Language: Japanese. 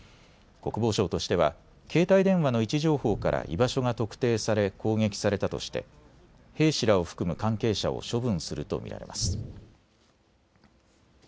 国防省としては携帯電話の位置情報から居場所が特定され攻撃されたとして兵士らを含む関係者を処分すると見られます。